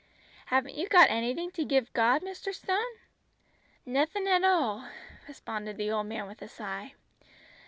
"Haven't you got anything to give God, Mr. Stone?" "Nothin' at all," responded the old man with a sigh.